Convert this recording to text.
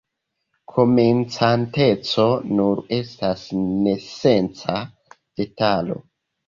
Komencanteco nur estas nesenca detalo.